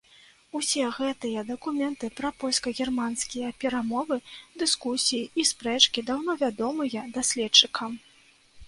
Усе гэтыя дакументы пра польска-германскія перамовы, дыскусіі і спрэчкі даўно вядомыя даследчыкам.